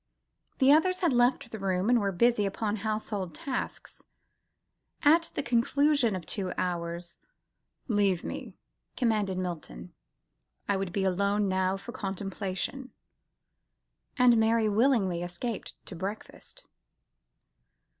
The others had left the room and were busy upon household tasks. At the conclusion of two chapters, "Leave me," commanded Milton, "I would be alone now for contemplation," and Mary willingly escaped to breakfast.